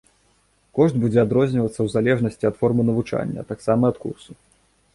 Кошт будзе адрознівацца ў залежнасці ад формы навучання, а таксама ад курсу.